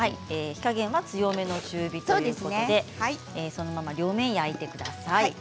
火加減は強めの中火ということでそのまま両面焼いてください。